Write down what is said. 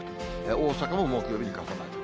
大阪も木曜日に傘マーク。